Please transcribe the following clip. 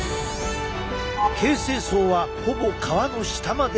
形成層はほぼ皮の下まで大移動！